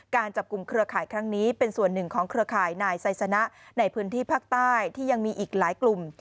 การจับกลุ่มเครือข่ายครั้งนี้เป็นส่วนหนึ่งของเครือข่ายนายไซสนะในพื้นที่ภาคใต้ที่ยังมีอีกหลายกลุ่ม